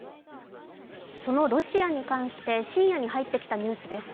そのロシアに関して、深夜に入ってきたニュースです。